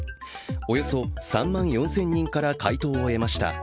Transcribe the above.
およそ３万４０００人から回答を得ました。